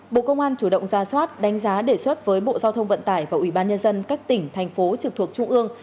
bộ công an chủ động ra soát đánh giá đề xuất với bộ giao thông vận tải và ủy ban nhân dân các tỉnh thành phố trực thuộc trung ương